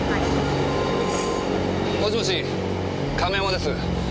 もしもし亀山です。